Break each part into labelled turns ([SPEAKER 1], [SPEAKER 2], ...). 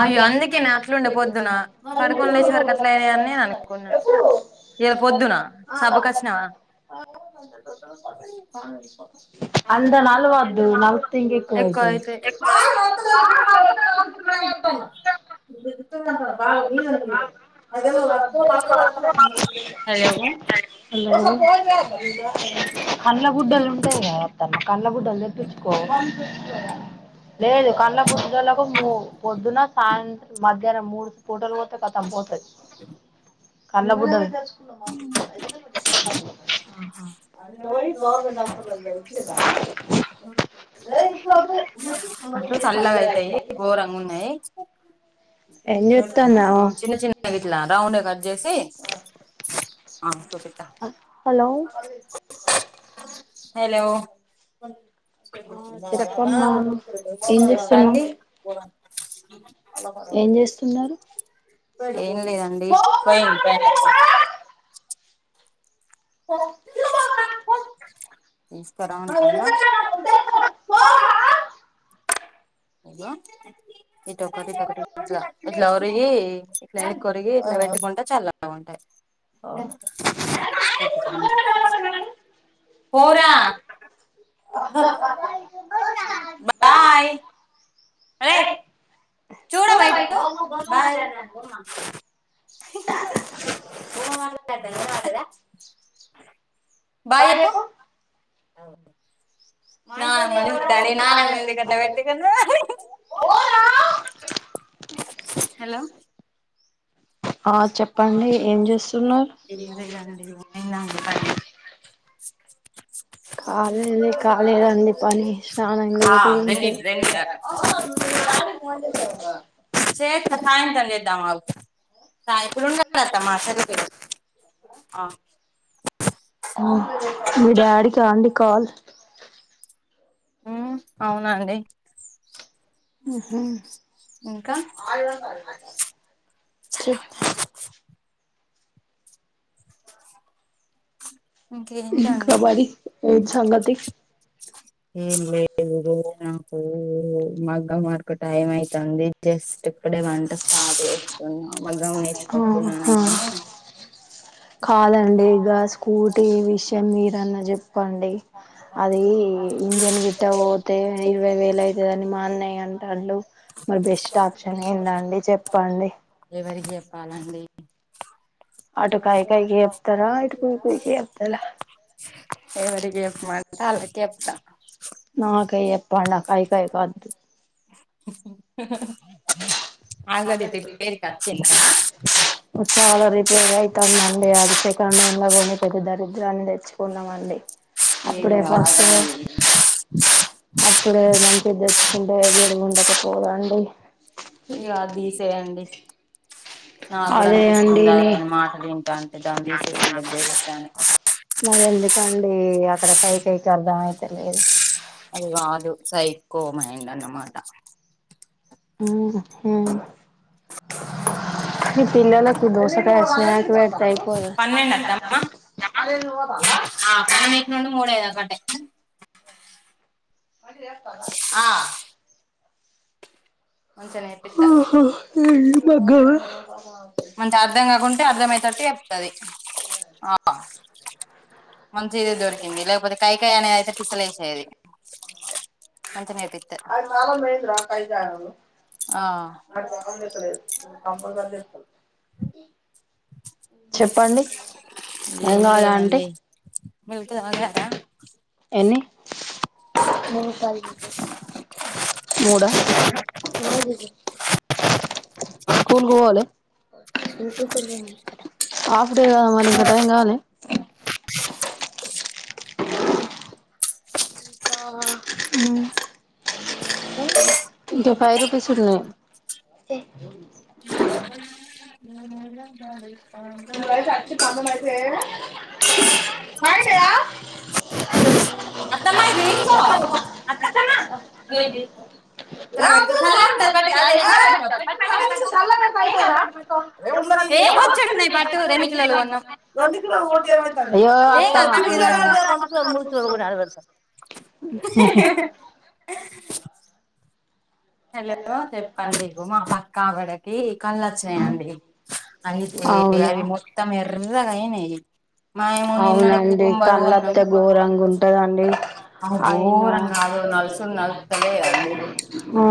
[SPEAKER 1] అయ్యో అందుకేనా అట్లుండే పొద్దునా, పడుకొని లేచేసరికి అట్లయినయన్ నేననుకున్నా ఇయాల పొద్దున సబ్బుకచ్చినవా
[SPEAKER 2] అంత నలవద్దు నలిపితే ఇంకెక్కువ
[SPEAKER 1] ఎక్ క్కడైతే
[SPEAKER 2] అదేమో
[SPEAKER 1] హలో
[SPEAKER 2] [unintelligible] హలో కన్ల గుడ్డలు తెప్పిచ్చుకో లేదు కల్ల బుద్ధలకూ మూ పొద్దున, సాయంత్రం మధ్యాహ్నం మూడు పూటలు పోత్ త్తె కథం పోతది కన్ల గుడ్డలు ఆ అదేదో బోయ్ గవర్నమెంట్ హాస్పిటల్ [unintelligible]
[SPEAKER 1] అంటూ చల్లగా అయితయి గోరంగున్నయి
[SPEAKER 2] ఏం చేత్తన్నావ్
[SPEAKER 1] చిన్న చిన్న బగిట్ల రౌండ్ గ కట్ జేసి కోపిత్త
[SPEAKER 2] హలో
[SPEAKER 1] హలో
[SPEAKER 2] ఆ
[SPEAKER 1] చెప్
[SPEAKER 2] చెప్పమ్మా ఏం చేస్తున్నావ్
[SPEAKER 1] చెప్పండి
[SPEAKER 2] ఏం జేస్తున్నరు
[SPEAKER 1] ఏం లేదండి పో [unintelligible] తీస్కోపోరా పో ఇస్తారా? హలో ఇటొకటి ఇటొకటి ఇట్లా ఇట్లా ఒరిగి ఇట్లా ఎనికి ఓరిగి ఇట్లా పెట్టుకుంటే చల్ల [inaudible] ఉంటాయి. పోరా బాయ్ ఏయ్ చూడవ ఇటు బాయ్ బాయ్ జెప్పు అవును నామను తడి నానమ్మ ఎందుకట్ల పెట్టుకున్నవ్ హలో
[SPEAKER 2] ఆ చెప్పండి ఏం జేస్తున్నరు
[SPEAKER 1] అయిందా అండి పని
[SPEAKER 2] కాలేదె కాలేదండి పని స్నానం
[SPEAKER 1] ఆ
[SPEAKER 2] లేటైందే.
[SPEAKER 1] రెండు రెండు దాకా
[SPEAKER 2] ఇప్పుడు గాదు ఫోన్ జేస్తావు.
[SPEAKER 1] సేస్తా సాయంత్రం చేద్దాం ఆగు సాయి ఎక్కడున్నడు అత్తమ్మ సరిగ్గా [inaudible]
[SPEAKER 2] మ్ మీ డాడీకా అండి కాల్
[SPEAKER 1] ఉమ్ అవునండి.
[SPEAKER 2] ఆహా
[SPEAKER 1] ఇంక
[SPEAKER 2] చెప్
[SPEAKER 1] చల్లగుండాలి
[SPEAKER 2] ఇంక
[SPEAKER 1] ఇంకేంటండి
[SPEAKER 2] మరీ ఏంటి సంగతీ
[SPEAKER 1] ఏం లేదూ నాకూ మగ్గం వర్కు టైం అయితాందీ జస్ట్ ఇప్పుడే వంట స్టార్ట్ చేస్తున్నా మగ్గం నేర్చ్కుంటున్న
[SPEAKER 2] ఆహా
[SPEAKER 1] నేను
[SPEAKER 2] కాదండి ఇగ స్కూటీ విషయం మీరన్న చెప్పండి. అదీ ఇంజన్ గిట్ట పోతే ఇరవై వేలైతదని మాఅన్నయ్య అంటాండు. మరి బెస్ట్ ఆప్షన్ ఏందండి చెప్పండి.
[SPEAKER 1] పాలండి
[SPEAKER 2] అటు కైకైకి చెప్తరా ఇటు కుయ్కుయికి చెప్తరా.
[SPEAKER 1] ఎవరికి చెప్పమంటే ఆళ్లకి చెప్తా
[SPEAKER 2] నాకే చెప్పలా కైకైయ్ కొద్దు.
[SPEAKER 1] ఆల్రెడీ
[SPEAKER 2] అంగేది రిపేర్
[SPEAKER 1] రిపేర్కి
[SPEAKER 2] కి
[SPEAKER 1] వచ్చింది
[SPEAKER 2] అచ్చినిందా చాలా రిపేర్ అయితాందండీ అదిసెకండ్ హ్యాండ్ లో కొని పెద్ద దరిద్రాన్ని తెచ్చుకున్నామం
[SPEAKER 1] ఏం గాదండీ
[SPEAKER 2] అప్పుడే మంచిద్దెచ్చుకుంటే దిడుగుండకపోవుగా అండి.
[SPEAKER 1] ఇగ అది తీసేయండి నాకు కూడా
[SPEAKER 2] అదే
[SPEAKER 1] అనిపిస్తుంది
[SPEAKER 2] అండి నీ
[SPEAKER 1] దాని మాటలు వింటాంటే దాన్ని తీసేసింది బెస్ట్ అని
[SPEAKER 2] మరెందుకండి అక్కడ కైకైయికి అర్థం అయితలేదు.
[SPEAKER 1] అది గాదు సైకో మైండ్ అన్నమాట
[SPEAKER 2] మ్ హూ ఈ పిల్లలకి దోసకాయ స్నాక్ వెడితే అయిపోదా.
[SPEAKER 1] పన్నెండు అత్తమ్మ
[SPEAKER 2] అదేంది హోటల్లా
[SPEAKER 1] ఆ మీక్ నుండు మూడే
[SPEAKER 2] మళ్ళీ యేస్తాలా
[SPEAKER 1] ఆ మంచిగా నేర్పిస్తా
[SPEAKER 2] ఆహా ఏయ్ మగరా
[SPEAKER 1] మనకి అర్ధం కాకుంటే అర్ధం అయ్యేతట్టు చెప్తదీ ఆ మంచిదే దొరికింది లేకపోతే కైకై అనేదైతే పిస్సలేసేది. మంచిగా నేర్ప్
[SPEAKER 2] అది తాళం పోయింద్రా కైతాయలో
[SPEAKER 1] ఆ
[SPEAKER 2] వాడి మోకం తెస్తలేదు కంపల్సరీ చెప్తడు. చెప్పండి
[SPEAKER 1] ఏం
[SPEAKER 2] కావాలా అంటీ
[SPEAKER 1] లేదండీ మిల్క్ తాగారా
[SPEAKER 2] ఎన్ని మూడా స్కూల్ కు ఓలె హాఫ్ ఇప్పుడేగా వానింక టైం గాలే ఆ ఉ ఇంక ఫైవ్ రూపీస్ ఉన్నయ్
[SPEAKER 1] బ
[SPEAKER 2] అయితయా చెప్
[SPEAKER 1] అత్తమ్మ ఇది తీసుకో ఏ వచ్చ
[SPEAKER 2] అయ్యో అత్తమ్మ
[SPEAKER 1] హలో చెప్పండి అగో మా పక్కావిడకి కల్లొ చ్చినాయండి అ
[SPEAKER 2] అవును
[SPEAKER 1] అవి మొత్తం ఎర్రగయినెయి మాయమూనిన్ననే
[SPEAKER 2] అవునండి
[SPEAKER 1] కుకుంబరు గొన్నాం
[SPEAKER 2] కళ్ళత్తే ఘోరంగా ఉంటదండి
[SPEAKER 1] అ
[SPEAKER 2] అయిను
[SPEAKER 1] గోరంగా అద నల్సుూడు నల్తలే అండి
[SPEAKER 2] ఆ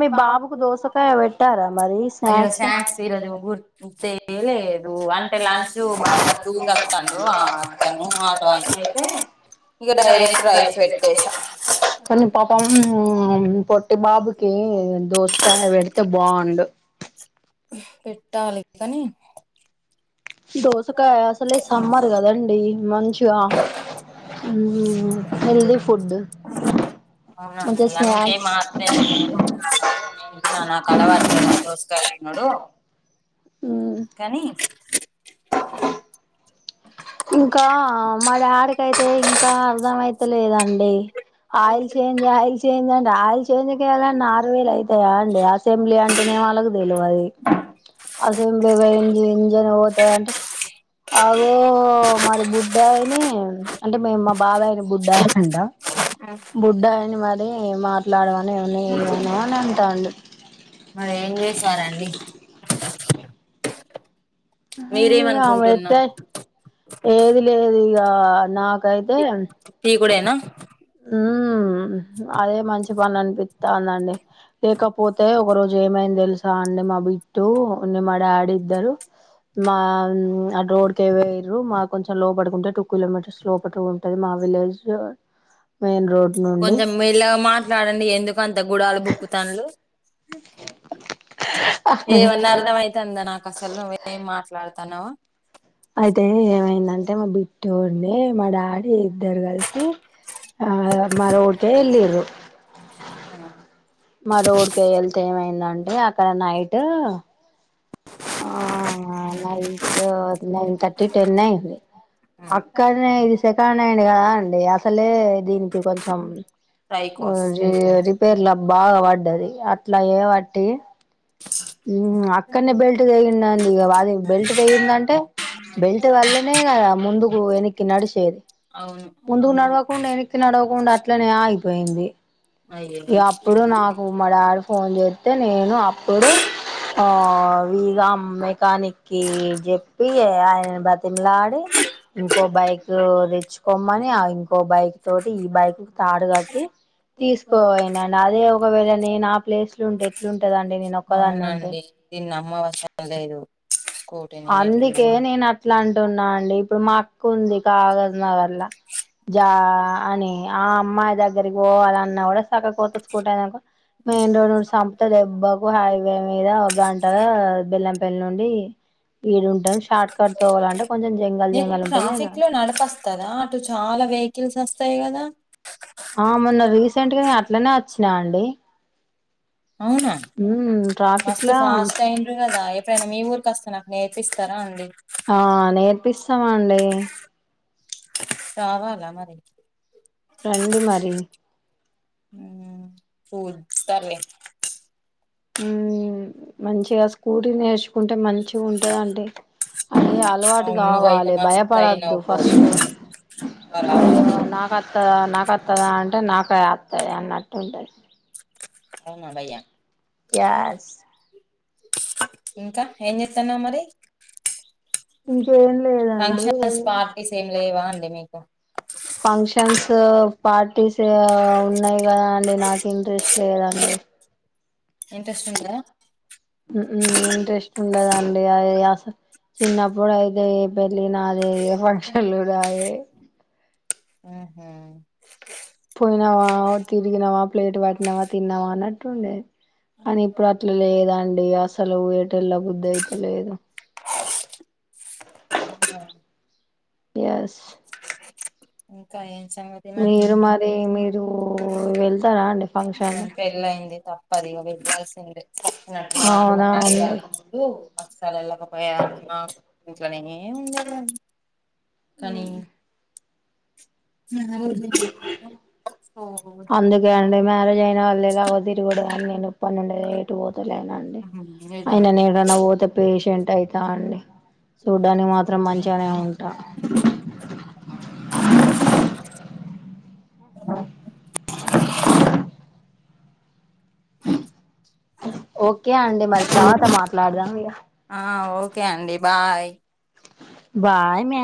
[SPEAKER 2] మీ బాబుకు దోసకాయ పెట్టారా మరి
[SPEAKER 1] అయ్యో
[SPEAKER 2] స్నాక్స్ దు
[SPEAKER 1] ఈరోజు గుర్తే లేదు
[SPEAKER 2] అంటే
[SPEAKER 1] లంచ్
[SPEAKER 2] లంచూ
[SPEAKER 1] బాగా టూకి వస్తాడు అతను
[SPEAKER 2] మాటట
[SPEAKER 1] ఆటో ఆయన అయితే
[SPEAKER 2] అతే ఇంగ రైయ్ రైస్ పెట్టేసా కాని బప్ పమ్ పొట్టి బాబుకి దోసకాయ పెడితే బాగుండు
[SPEAKER 1] పెట్టాలి కానీ
[SPEAKER 2] దోసకాయ అసలే సమ్మర్ కదండి మంచిగా ఊ హెల్ది ఫుడ్ కొంచెం
[SPEAKER 1] అవునండి అందుకే
[SPEAKER 2] సాక్స్
[SPEAKER 1] నాకలవాట్లే గాని దోసకాయ తినుడు కానీ
[SPEAKER 2] ఇంకా మాడాడికైతే ఇంకా అర్ధమయిత లేదండి ఆయిల్ చేంజ అయిల్ చేేంజని ఆయిల్ చేంజ్ కే ఆరు వేలు అయితాయా అండి అసెంబ్లీ అంటేనే వాళ్ళకు తెలివది అసెంబ్లీగి పోయింది ఇంజను కు పోతనంటే మరి బుడ్డాయిని అంటే మేము మా బుడ్డాయని బుడ్డాయ అంట బుడ్డ అని మరి మాట్లాడమ ఏమన్న జయ్యన ఉన్ననంటాడు
[SPEAKER 1] మరి ఏం చేశారండి
[SPEAKER 2] ఆమె
[SPEAKER 1] మీరేమనుకుంటున్నారు
[SPEAKER 2] ఎట్ట ఏది లేదు ఇగ నాకైతే
[SPEAKER 1] తీకుడేనా
[SPEAKER 2] ఉ అదే మంచి పని అనిపిస్తాందండి లేకపోతే ఒక రోజు ఏమైందెల్సా అండి మా బిట్టు మా డాడీ ఇద్దరు మా ఆ ర రోడ్ కే మా కొంచం లో పటికుంటే టూ కిలోమీటర్స్ లోపటు ఉంటది మా విలేజ్ మెయిన్ రోడ్ నుండి
[SPEAKER 1] కొంచెం మెల్లగ మాట్లాడండి ఎందుకు అంత గుడాలు బుక్కుతాన్లు ఏమన్నా అర్థం అవుతుందా నాకు అసలు నువ్వేం మాట్లాడుతున్నావో
[SPEAKER 2] అయితే ఏమైందంటే మా బిట్టూడిని మా డాడీ ద్దర్ గల్సి ఆ మా రోడికే ఎలిన్రు మా రోడ్ కే వెళ్తే ఏమైందండి అక్కడ నైట్ ఆ నాయిట్ నైన్ థర్టీ టెన్ అ అక్కడనే ఇది సెకండ్ హ్యాండ్ కదా అండి అసలే దీనికి కొంచెం
[SPEAKER 1] సైకోస్
[SPEAKER 2] ర రిపేర్లా బాగా పడ్డది అట్లా ఏ బట్టి మ్ అక్కన్నే బెల్ట్ తెగిందన్ ఇగ వాది బెల్ట్ తెగిందంటే బెల్ట్ వల్లనే కదా ముందుకు వెనక్కి నడిచేది.
[SPEAKER 1] అవును
[SPEAKER 2] కి నడవకుండా అట్లనే ఆగిపోయింది
[SPEAKER 1] అయ్యో
[SPEAKER 2] ఇ అప్పుడు నాకు మా డాడీ ఫోన్ చే తే నేను అప్పుడు ఆ ఇగ మెకానిక్కిి చెప్పి ఆయన బ్రతిమలాడి ఇంకో బైక్ తెెచ్చుకోమ్మని ఇంకో బైక్ తోటి ఈ బైక్ తాడు కట్టి తీసుకోనండి అదే ఒకవేళ నేను ఆ ప్లేస్ లో ఉంటే ఎట్లుంటే
[SPEAKER 1] అవునండి దీన్ని నమ్మవసరం లేదు స్కూటీని ఎట్లుంది
[SPEAKER 2] అందుకే నేను అట్లా అంటున్నా అండి ఇప్పుడు మా అకు ఉంది కాగజ నగరలా జాఅని అమ్మాయి దగ్గరికి అలా అన్నా కూడా చక్క కోతుసుకుంటానుకో మెయిన్ రోడ్ నుడి చపుతే దెబ్బకు హైవే మీద ఒక గంటగా బెల్లం పెళ్ల్ నుండి ఈడుంటాం షార్ట్ కట్ తోవాలంటే కొంచెం జంగల్
[SPEAKER 1] నకు
[SPEAKER 2] జంగల్ ఉంటది
[SPEAKER 1] ట్రాఫిక్ లో నడపస్తదా అటు చాలా వేగ కిల్స్ అస్తయి గదా
[SPEAKER 2] ఆ మొన్న రీసెంట్గనే అట్లనే వచ్చినా అండి
[SPEAKER 1] అవున
[SPEAKER 2] మ్మ్ ట్రాఫిక్
[SPEAKER 1] మస్త్
[SPEAKER 2] లా
[SPEAKER 1] ఫాస్ట్ అయింన్రు కదా ఎప్పుడైనా మీ ఊరిక్ అస్తన నేర్పిస్తరా అండి.
[SPEAKER 2] ఆ నేర్పిస్తమండి.
[SPEAKER 1] రావాలా మరి
[SPEAKER 2] రండి మరి
[SPEAKER 1] కూల్ సర్లే
[SPEAKER 2] ఉమ్ మంచిగా స్కూటీ నేర్చుకుంటే మంచిగుంటదండి. అది అలవాట్
[SPEAKER 1] అవును నువ్వైతే
[SPEAKER 2] కావాలె భయపడద్దు ఫస్ట్
[SPEAKER 1] బరాబ
[SPEAKER 2] కత్తదా అంటే నాకే అత్తది అన్నట్టు ఉంటయి
[SPEAKER 1] అవునా భయ్యా
[SPEAKER 2] యాస్
[SPEAKER 1] ఇంకా ఏం చేత్తాన్నవ్ మరి
[SPEAKER 2] ఇంకేం లేదండి.
[SPEAKER 1] ఫంక్షన్స్ పార్టీస్ ఏం లేవా అండి మీకు
[SPEAKER 2] [inaudible] ఫంక్షన్స్, పార్టీస్ ఉన్నయి కదా అండి నాక్ ఇంట్రెస్ట్ లేదండి.
[SPEAKER 1] ఇంట్రెస్ట్ ఉందా?
[SPEAKER 2] ఉ మ్ ఇంట్రెస్ట్ ఉండదండి అయి అసల్ చిన్నప్పుడైతే ఏ పెళ్లి నా దే ఫంక్షన్లు కూడా నాయే
[SPEAKER 1] ఆహా
[SPEAKER 2] పోయినవా తిర్గినవా ప్లేట్ పట్టినవా తిన్నవా అన్నట్టుండే కానీ ఇప్పుడ్ అట్ల లేదండి అసలు తెల్లబుద్ధైతలేదు. ఎస్
[SPEAKER 1] ఇంకా ఏం సంగతి మరి
[SPEAKER 2] మీరు మరి మీరు వెళ్తారా అండి ఫంక్షన్
[SPEAKER 1] పెళ్లైంది తప్పది. ఇగ వెప్పాల్సిందే
[SPEAKER 2] అవునా అండి
[SPEAKER 1] [unintelligible] ఇంట్లనే ఉండరు
[SPEAKER 2] మ్ అందుకే అండి మ్యారేజ్ అయిన వళ్లేగావ తిరుగుడు అన్ని పన్నెండై ఎటు పోతలేనండి అయిన
[SPEAKER 1] నిజమే
[SPEAKER 2] నే ఏడైనా పోతే పేషెంట్ అయితా అండి చూడ్డానికి మాత్రం మంచిగనే ఉంటా ఓకే అండి మరి తర్వాత
[SPEAKER 1] హ
[SPEAKER 2] మాట్లాడదాం ఇగ
[SPEAKER 1] ఆ ఓకే అండి. బాయ్
[SPEAKER 2] బాయ్ మ్యా